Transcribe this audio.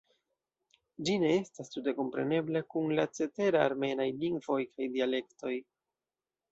Ĝi ne estas tute komprenebla kun la ceteraj armenaj lingvoj kaj dialektoj.